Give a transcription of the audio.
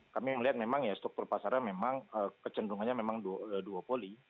kami melihat memang ya struktur pasarnya memang kecenderungannya memang duopoli